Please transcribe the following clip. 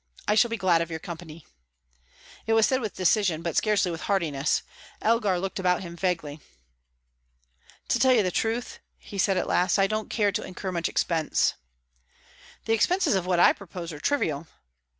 I shall be glad of your company." It was said with decision, but scarcely with heartiness. Elgar looked about him vaguely. "To tell you the truth," he said at last, "I don't care to incur much expense." "The expenses of what I propose are trivial."